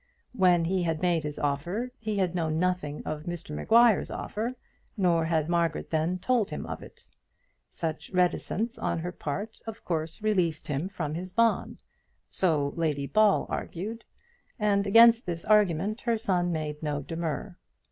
When he had made his offer he had known nothing of Mr Maguire's offer, nor had Margaret then told him of it. Such reticence on her part of course released him from his bond. So Lady Ball argued, and against this argument her son made no demur.